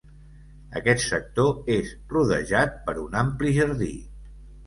Aquest sector és rodejat per un ampli jardí.